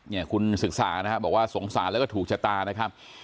เนี่ยคุณศึกษานะครับบอกว่าสงสารแล้วก็ถูกชะตานะครับ